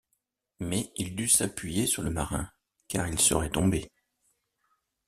Mais il dut s’appuyer sur le marin, car il serait tombé.